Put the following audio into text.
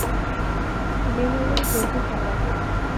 ডিল্লি, জলদি চালাও।